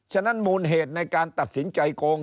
ฉะนั้นมูลเหตุในการตัดสินใจโกง